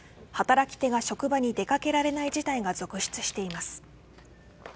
働き手が職場に出掛けられない事態が続出しています。